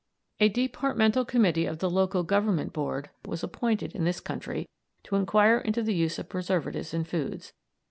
A Departmental Committee of the Local Government Board was appointed in this country to inquire into the use of preservatives in foods.